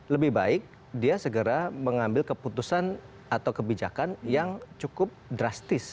lebih baik dia segera mengambil keputusan atau kebijakan yang cukup drastis